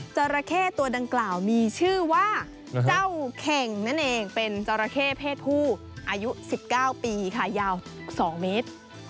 จราเข้ตัวดังกล่าวมีชื่อว่าเจ้าเข่งนั่นเองเป็นจราเข้เพศผู้อายุ๑๙ปีค่ะยาว๒เมตร